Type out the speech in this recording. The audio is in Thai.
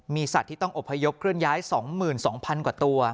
มีสัตว์ที่ต้องอบพยพเคลื่อนย้าย๒๒๐๐๐กว่าตัว